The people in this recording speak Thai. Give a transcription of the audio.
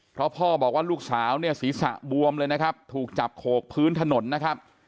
เพราะพ่อบอกว่าลูกสาวเนี่ยศีรษะบวมเลยนะครับถูกจับโขกพื้นถนนนะครับ